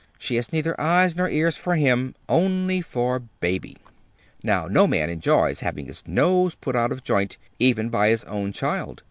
She has neither eyes nor ears for him, only for baby. "Now no man enjoys having his nose put out of joint, even by his own child.